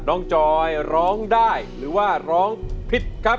จอยร้องได้หรือว่าร้องผิดครับ